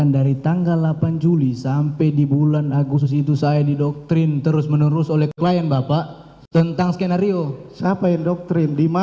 di mana endoktrin di mana saudara di dokter